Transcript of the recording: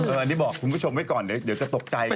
อันนี้บอกคุณผู้ชมไว้ก่อนเดี๋ยวจะตกใจ